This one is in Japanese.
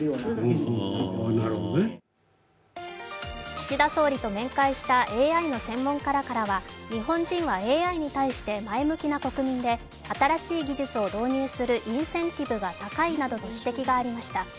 岸田総理と面会したＡＩの専門家からは日本人はＡＩに対して前向きな国民で新しい技術を導入するインセンティブが高いなどの指摘がありました。